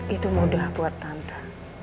itu mudah buat tante